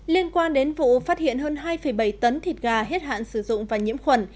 liên quan đến vụ phát hiện hơn hai bảy tấn thịt gà hết hạn sử dụng và nhiễm khuẩn